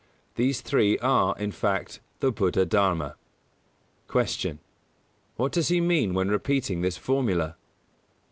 These three are, in fact, the Buddha Dharma. 150. Q. _What does he mean when repeating this formula?